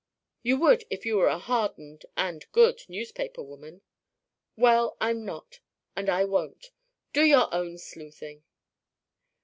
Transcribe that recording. "You would if you were a hardened and good newspaper woman." "Well, I'm not. And I won't. Do your own sleuthing."